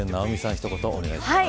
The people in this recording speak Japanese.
一言お願いします。